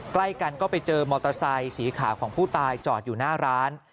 ใกล้กันก็ไปเจอมอเตอร์ไซค์สีขาวของผู้ตายจอดอยู่หน้าร้าน